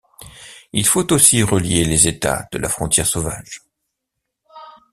Il faut aussi relier les états de la Frontière sauvage.